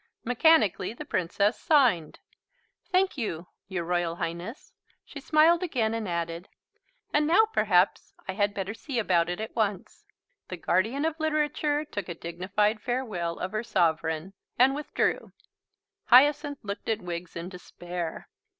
Mechanically the Princess signed. "Thank you, your Royal Highness." She smiled again, and added, "And now perhaps I had better see about it at once." The Guardian of Literature took a dignified farewell of her Sovereign and withdrew. Hyacinth looked at Wiggs in despair.